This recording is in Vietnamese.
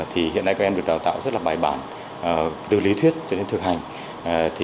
thì hiện nay các em được đào tạo rất là bài bản từ lý thuyết cho đến thực hành